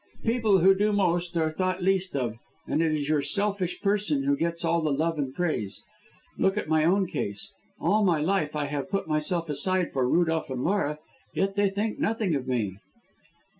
People who do most are thought least of, and it is your selfish person who gets all the love and the praise. Look at my own case. All my life I have put myself aside for Rudolph and Laura; yet they think nothing of me."